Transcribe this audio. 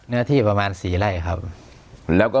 เนื้อที่ประมาณ๔ไล่ครับแล้วก็